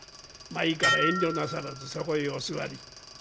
まあいいから遠慮なさらずそこへお座り。